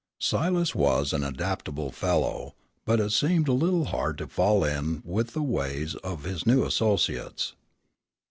Silas was an adaptable fellow, but it seemed a little hard to fall in with the ways of his new associates.